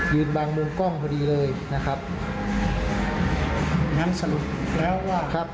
บางมุมกล้องพอดีเลยนะครับงั้นสรุปแล้วว่าครับ